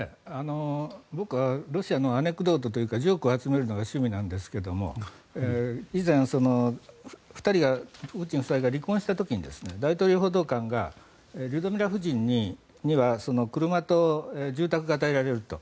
僕はロシアのジョークを集めるのが趣味なんですが以前、２人がプーチン夫妻が離婚した時に大統領報道官がリュドミラ夫人には車と住宅が与えられると。